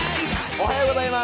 おはようございます。